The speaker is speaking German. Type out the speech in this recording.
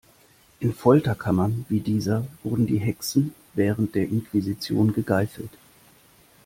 In Folterkammern wie dieser wurden die Hexen während der Inquisition gegeißelt.